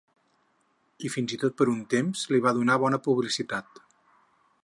I fins i tot per un temps li va donar bona publicitat.